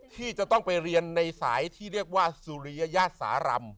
ที่จะต้องไปเรียนในสายที่เรียกว่าสุริยสารำ